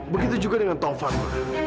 begitu juga dengan taufan